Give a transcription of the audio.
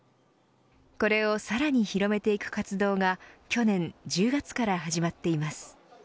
これをさらに広めていく活動が去年１０月から始まっています。